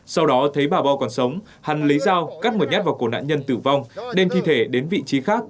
sau đó thấy bà bo còn sống hắn lấy dao cắt một nhát vào cổ nạn nhân tử vong đem thi thể đến vị trí khác